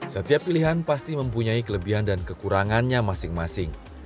setiap pilihan pasti mempunyai kelebihan dan kekurangannya masing masing